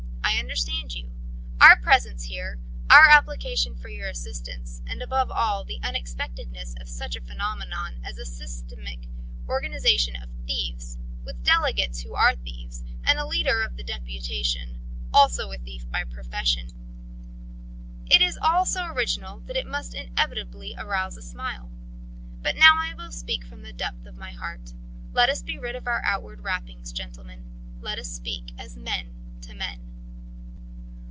I understand you. Our presence here, our application for your assistance, and above all the unexpectedness of such a phenomenon as a systematic organisation of thieves, with delegates who are thieves, and a leader of the deputation, also a thief by profession it is all so original that it must inevitably arouse a smile. But now I will speak from the depth of my heart. Let us be rid of our outward wrappings, gentlemen, let us speak as men to men.